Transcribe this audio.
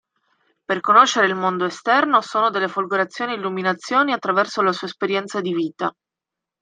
Per conoscere il mondo esterno sono delle folgorazioni e illuminazioni attraverso la sua esperienza di vita.